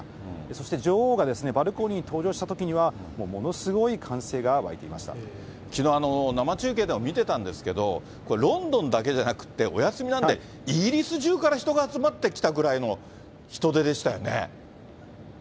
そして女王がバルコニーに登場したときには、もうものすごい歓声きのう、生中継で見てたんですけど、これ、ロンドンだけじゃなくって、お休みなんで、イギリス中から人が集まってきたくらいの感じの人出でしたよね。